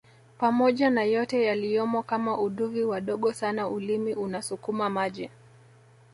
pamoja na yote yaliyomo kama uduvi wadogo sana ulimi unasukuma maji